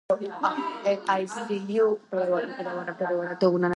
თავდაპირველად, სახლი ორსართულიანი იყო, მოგვიანებით კი მესამე სართულიც დასრულდა.